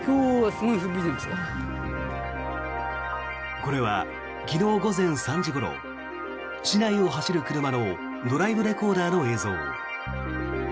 これは昨日午前３時ごろ市内を走る車のドライブレコーダーの映像。